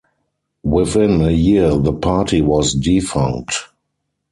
Within a year the party was defunct.